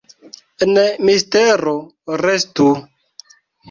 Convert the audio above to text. En mistero restu…